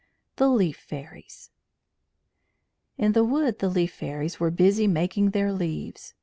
THE LEAF FAIRIES In the wood the Leaf Fairies were busy making their leaves.